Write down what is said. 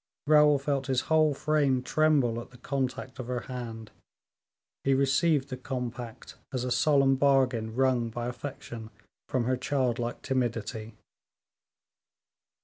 Raoul felt his whole frame tremble at the contact of her hand; he received the compact as a solemn bargain wrung by affection from her child like timidity.